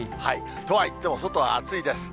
とはいっても、外は暑いです。